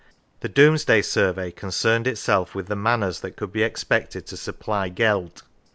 The Domesday survey concerned itself with the manors that could be expected to supply geld.